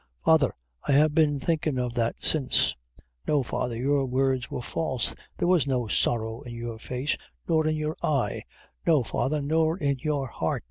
"Father, I have been thinkin' of that since; no, father your words were false; there was no sorrow in your face, nor in your eye, no, father, nor in your heart.